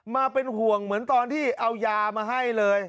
มาเป็นห่วงเหมือนตอนที่เอายามาให้เลย